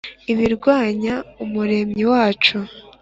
ibirwanya umuremyi wacu